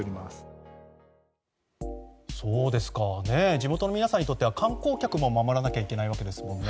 地元の皆さんにとっては観光客も守らなきゃいけないわけですもんね。